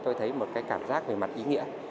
tôi thấy một cái cảm giác về mặt ý nghĩa